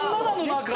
中。